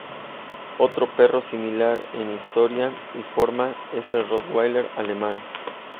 Otro perro similar en historia y forma es el Rottweiler alemán.